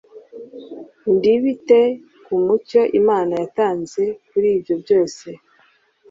ntibite ku mucyo Imana yatanze kuri ibyo byose ?